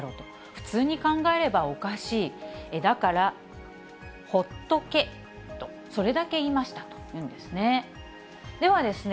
普通に考えればおかしい、だからほっとけと、それだけ言いましたと言うんですね。